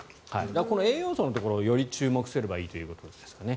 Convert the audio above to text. この栄養素のところをより注目すればいいということですかね。